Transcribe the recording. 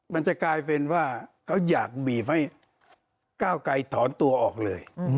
มันจะกลายเป็นว่าเขาอยากบีบให้ก้าวไกลถอนตัวออกเลย